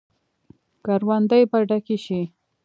کروندې به ډکې شي.